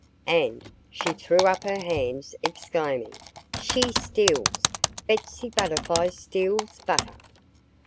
And she threw up her hands, exclaiming, "She steals! Betsy Butterfly steals butter!